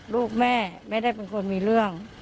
ลูกแม่ไม่ได้เป็นคนมีเรื่อง